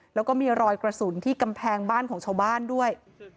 แล้วก็มีรอยกระสุนที่กำแพงบ้านของชาวบ้านด้วย